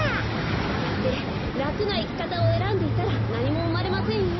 そうやってらくないきかたをえらんでいたらなにもうまれませんよ。